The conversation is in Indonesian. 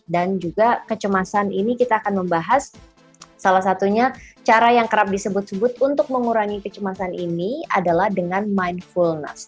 juga kecemasan ini kita akan membahas salah satunya cara yang kerap disebut sebut untuk mengurangi kecemasan ini adalah dengan mindfulness